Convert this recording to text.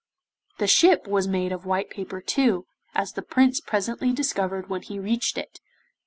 The ship was made of white paper too, as the Prince presently discovered when he reached it.